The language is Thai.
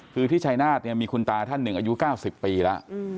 คือที่ชายนาฏเนี่ยมีคุณตาท่านหนึ่งอายุ๙๐ปีแล้ว